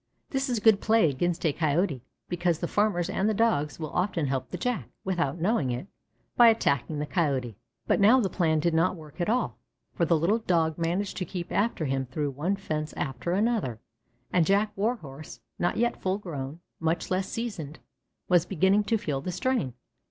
This is good play against a Coyote, because the farmers and the Dogs will often help the Jack, without knowing it, by attacking the Coyote. But now the plan did not work at all, for the little Dog managed to keep after him through one fence after another, and Jack Warhorse, not yet full grown, much less seasoned, was beginning to feel the strain.